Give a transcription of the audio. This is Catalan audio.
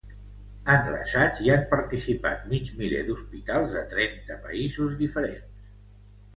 En l’assaig hi han participat mig miler d’hospitals de trenta països diferents.